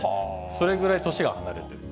それぐらい年が離れている。